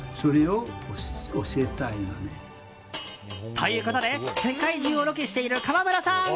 ということで世界中をロケしている川村さん。